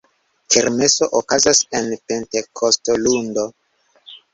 Kermeso okazas en Pentekostolundo.